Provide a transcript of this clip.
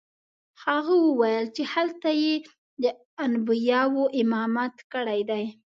هغه وویل چې هلته یې د انبیاوو امامت کړی دی.